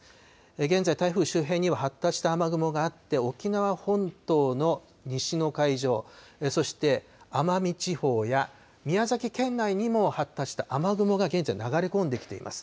現在、台風周辺には発達した雨雲があって、沖縄本島の西の海上、そして奄美地方や、宮崎県内にも発達した雨雲が現在、流れ込んできています。